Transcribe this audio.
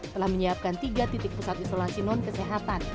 telah menyiapkan tiga titik pusat isolasi non kesehatan